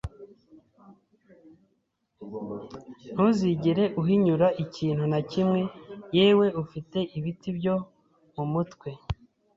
ntuzigere uhinyura ikintu na kimwe, yewe ufite ibiti byo mu mutwe! ”